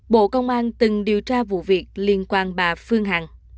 bộ công an từng điều tra vụ việc liên quan bà phương hằng